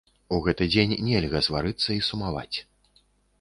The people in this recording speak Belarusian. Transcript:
У гэты дзень нельга сварыцца і сумаваць.